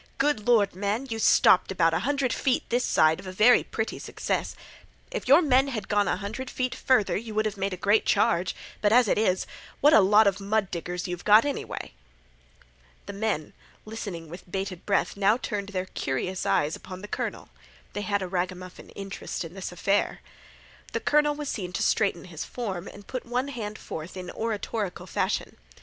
Good Lord, man, you stopped about a hundred feet this side of a very pretty success! If your men had gone a hundred feet farther you would have made a great charge, but as it is—what a lot of mud diggers you've got anyway!" The men, listening with bated breath, now turned their curious eyes upon the colonel. They had a ragamuffin interest in this affair. The colonel was seen to straighten his form and put one hand forth in oratorical fashion.